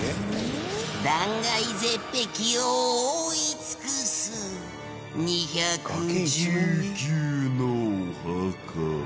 断崖絶壁を覆い尽くす２１９のお墓